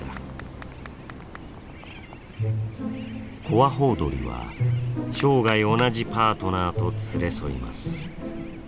コアホウドリは生涯同じパートナーと連れ添います。